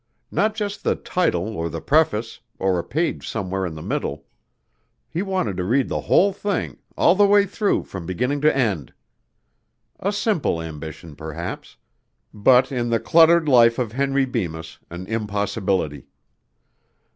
Not just the title or the preface, or a page somewhere in the middle. He wanted to read the whole thing, all the way through from beginning to end. A simple ambition perhaps, but in the cluttered life of Henry Bemis, an impossibility.